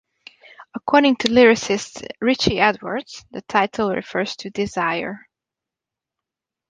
According to lyricist Richey Edwards, the title refers to Desire.